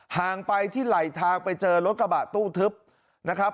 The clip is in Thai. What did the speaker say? ห่างไปที่ไหลทางไปเจอรถกระบะตู้ทึบนะครับ